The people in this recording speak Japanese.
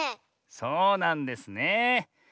そうなんですねえ。